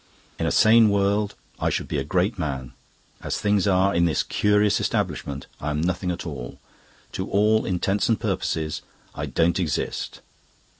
In a sane world I should be a great man; as things are, in this curious establishment, I am nothing at all; to all intents and purposes I don't exist.